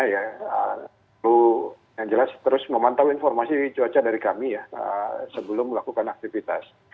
perlu yang jelas terus memantau informasi cuaca dari kami ya sebelum melakukan aktivitas